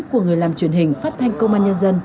của người làm truyền hình phát thanh công an nhân dân